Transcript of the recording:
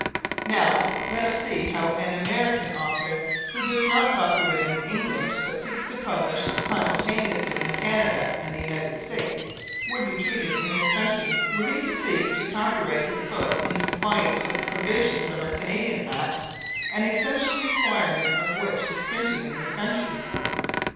Now let us see how an American author, who does not copyright in England but seeks to publish simultaneously in Canada and the United States, would be treated in this country, were he to seek to copyright his book in compliance with the provisions of our Canadian Act, an essential requirement of which is printing in this country.